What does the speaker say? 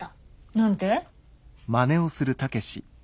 何て？